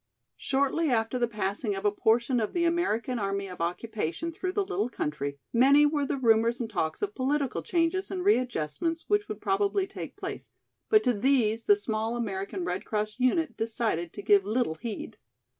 Shortly after the passing of a portion of the American Army of Occupation through the little country, many were the rumors and talks of political changes and readjustments which would probably take place, but to these the small American Red Cross unit decided to give little heed.